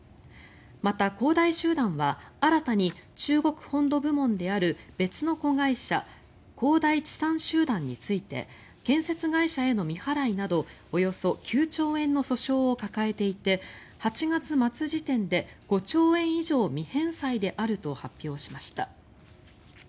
また、恒大集団は新たに中国本土部門である別の子会社恒大地産集団について建設会社への未払いなどおよそ９兆円の訴訟を抱えていて８月末時点で５兆円以上未返済であると発表しました。